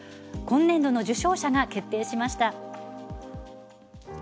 今年度の受賞者が決定しました。